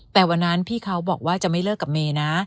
แต่วันนั้นพี่เขาบอกว่าจะไม่เลิกกับเมย์นะ